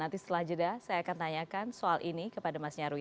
nanti setelah jeda saya akan tanyakan soal ini kepada mas nyarwi